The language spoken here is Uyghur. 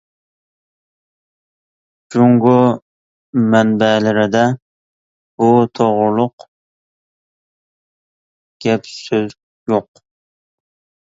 جۇڭگو مەنبەلىرىدە بۇ توغرۇلۇق گەپ-سۆز يوق.